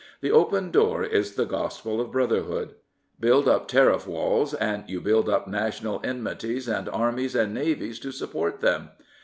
The open door is the gospel of Brotherhood. Build up tariff walls, and you build up national enmities and armies and navies to support them.